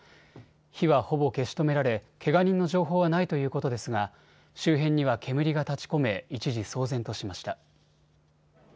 火はほぼ消し止められけが人の情報はないということですが周辺には煙が立ちこめ一時、騒然としました。